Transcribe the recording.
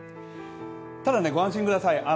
ただ、ご安心ください。